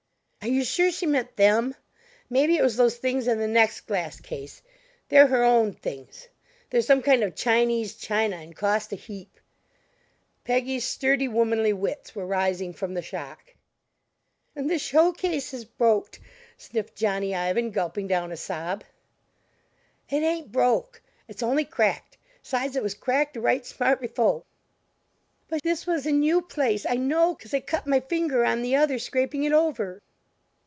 "Are you sure she meant them? Maybe it was those things in the next glass case; they're her own things! They're some kind of Chinese china and cost a heap." Peggy's sturdy womanly wits were rising from the shock. "And the show case is broked!" sniffed Johnny Ivan, gulping down a sob. "It ain't broke, it's only cracked; 'sides, it was cracked a right smart befo'!" "But this was a new place I know, 'cause I cut my finger on the other, scraping it over."